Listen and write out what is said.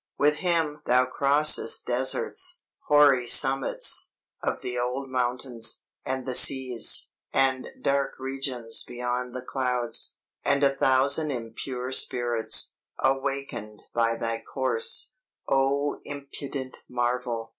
"With him thou crossest deserts, hoary summits of the old mountains, and the seas, and dark regions beyond the clouds; and a thousand impure spirits, awakened by thy course, O impudent marvel!